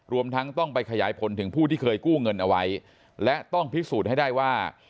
รวมทั้งต้องไปขยายผลถึงผู้ที่เคยกู้เงินเอาไว้และต้องพิสูจน์ให้ได้ว่า